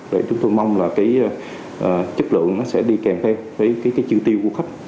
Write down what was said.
vậy chúng tôi mong là cái chất lượng nó sẽ đi kèm với cái chiêu tiêu của khách